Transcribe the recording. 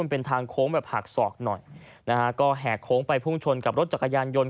เป็นทางโค้งแบบหักศอกหน่อยนะฮะก็แหกโค้งไปพุ่งชนกับรถจักรยานยนต์